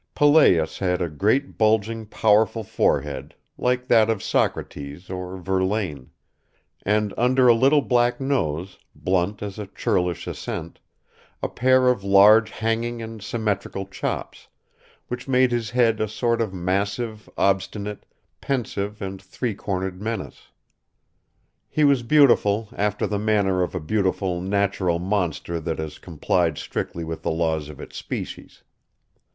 Pelléas had a great bulging, powerful forehead, like that of Socrates or Verlaine; and, under a little black nose, blunt as a churlish assent, a pair of large hanging and symmetrical chops, which made his head a sort of massive, obstinate, pensive and three cornered menace. He was beautiful after the manner of a beautiful, natural monster that has complied strictly with the laws of its species.